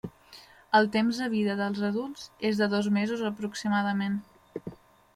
El temps de vida dels adults és de dos mesos aproximadament.